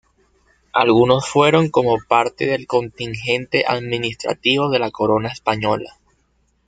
Algunos fueron como parte del contingente administrativo de la corona española.